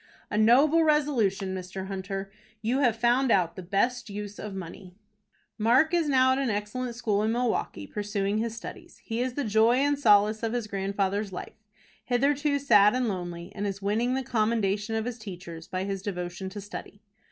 "A noble resolution, Mr. Hunter! You have found out the best use of money." Mark is now at an excellent school in Milwaukie, pursuing his studies. He is the joy and solace of his grandfather's life, hitherto sad and lonely, and is winning the commendation of his teachers by his devotion to study.